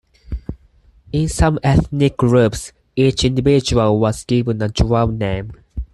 In some ethnic groups, each individual was given a "drum name".